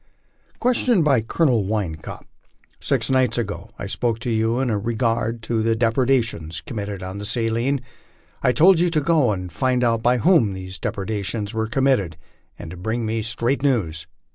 1 ' Question by Colonel Wynkoop :* Six nights ago I spoke to you in re gard to depredations committed on the Saline. I told you to go and find out by whom these depredations were committed and to bring me straight news.